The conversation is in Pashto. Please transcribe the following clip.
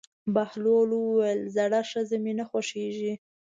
بهلول وویل: زړه ښځه مې نه خوښېږي.